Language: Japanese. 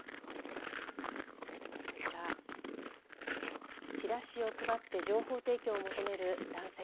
こちら、チラシを配って情報提供を求める男性。